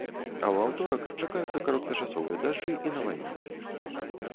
А ў аўторак чакаюцца кароткачасовыя дажджы і навальніцы.